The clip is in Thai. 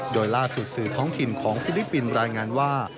โดยล่าสุดสื่อท้องถิ่นของฟิลิปปินส์รายงานว่า